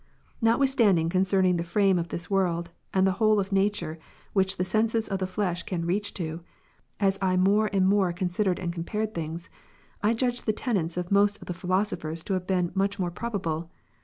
Notwithstanding, concerning the frame of this world, and the whole of nature, which the senses of the flesh can reach to, as I more and more considered and compared things, I judged the tenets of most of the j^hiloso^^hers to have been much more j^ro bable.